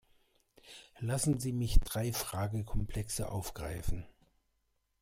Lassen Sie mich drei Fragekomplexe aufgreifen.